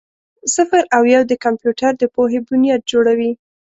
صفر او یو د کمپیوټر د پوهې بنیاد جوړوي.